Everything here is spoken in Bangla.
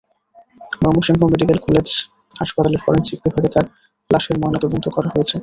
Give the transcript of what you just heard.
ময়মনসিংহ মেডিকেল কলেজ হাসপাতালের ফরেনসিক বিভাগে তার লাশের ময়নাতদন্ত করা হয়েছে।